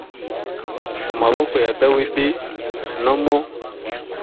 mu maboko ya dawidi no mu